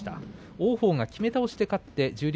王鵬がきめ倒しで勝って十両